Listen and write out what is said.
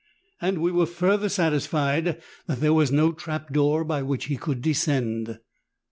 And we were further satisfied that there was no trap door by which he could descend.